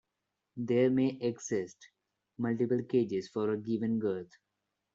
There may exist multiple cages for a given girth.